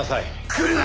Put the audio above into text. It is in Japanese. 来るな！